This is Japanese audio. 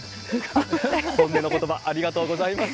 本音のことば、ありがとうございます。